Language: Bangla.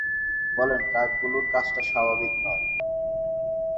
বলেন, কাকগুলোর কাজটা স্বাভাবিক নয়।